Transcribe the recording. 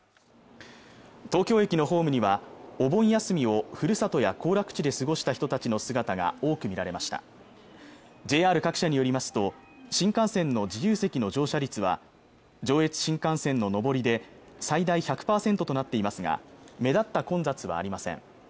東京駅のホームにはお盆休みをふるさとや行楽地で過ごした人たちの姿が多く見られましたＪＲ各社によりますと新幹線の自由席の乗車率は上越新幹線の上りで最大１００％となっていますが目立った混雑はありません